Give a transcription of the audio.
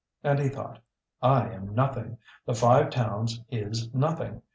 And he thought: "I am nothing! The Five Towns is nothing!